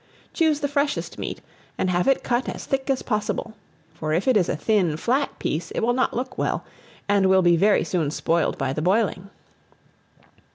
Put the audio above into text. Choose the freshest meat, and have it cut as thick as possible; for if it is a thin, flat piece, it will not look well, and will be very soon spoiled by the boiling.